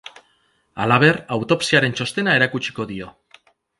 Halaber, autopsiaren txostena erakutsiko dio.